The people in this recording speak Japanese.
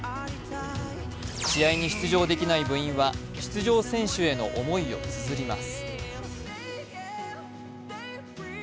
試合に出場できない部員は出場選手への思いをつづります。